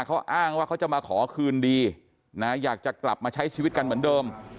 เขาอ้างว่าเขาจะมาขอคืนดีนะอยากจะกลับมาใช้ชีวิตกันเหมือนเดิม